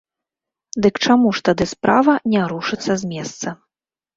Дык чаму ж тады справа не рушыцца з месца?